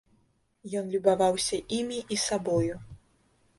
Ён любаваўся імі і сабою.